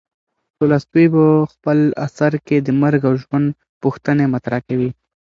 تولستوی په خپل اثر کې د مرګ او ژوند پوښتنې مطرح کوي.